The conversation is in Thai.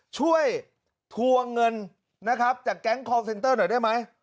ทวงเงินนะครับจากแก๊งคอลเซนเตอร์หน่อยได้ไหม